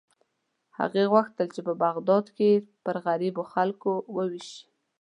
هغې غوښتل چې په بغداد کې یې پر غریبو خلکو ووېشي.